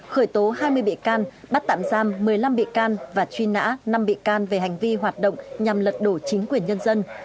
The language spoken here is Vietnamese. khởi tố hai mươi bị can bắt tạm giam một mươi năm bị can và truy nã năm bị can về hành vi hoạt động nhằm lật đổ chính quyền nhân dân